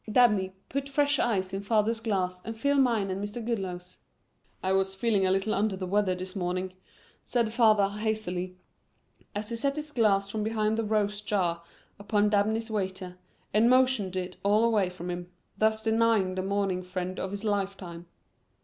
"Dabney, put fresh ice in father's glass and fill mine and Mr. Goodloe's." "I was feeling a little under the weather this morning," said father hastily, as he set his glass from behind the rose jar upon Dabney's waiter and motioned it all away from him, thus denying the morning friend of his lifetime.